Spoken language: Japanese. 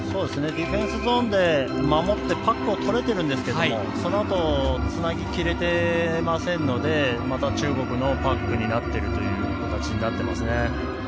ディフェンスゾーンで守ってパックを取れているんですけども、そのあと、つなぎきれていませんので、また中国のパックになってるという感じになってますね。